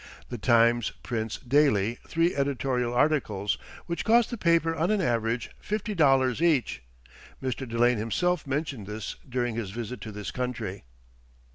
"The Times" prints daily three editorial articles, which cost the paper on an average fifty dollars each. Mr. Delane himself mentioned this during his visit to this country.